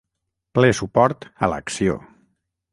Ple suport a l’acció.